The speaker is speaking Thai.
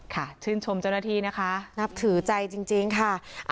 ชื่นชมเจ้าหน้าที่นะคะนับถือใจจริงค่ะ